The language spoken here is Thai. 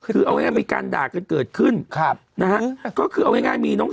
คือเอาง่ายมีการด่ากันเกิดขึ้นครับนะฮะก็คือเอาง่ายมีน้อง